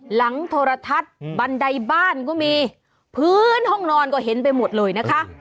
โทรทัศน์บันไดบ้านก็มีพื้นห้องนอนก็เห็นไปหมดเลยนะคะ